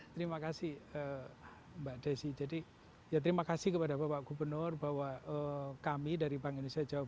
terima kasih mbak desi jadi ya terima kasih kepada bapak gubernur bahwa kami dari bank indonesia jawa